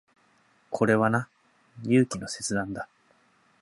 これはな、勇気の切断だ。